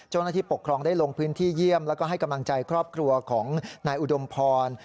เจ้าหน้าที่ปกครองได้ลงพื้นที่เยี่ยมแล้วก็ให้กำลังใจครอบครัวของนายอุดมพร